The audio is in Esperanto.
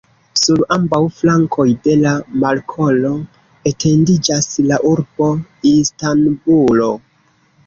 Sur ambaŭ flankoj de la markolo etendiĝas la urbo Istanbulo.